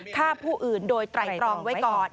ฆ่าผู้อื่นโดยไตรตรองไว้ก่อน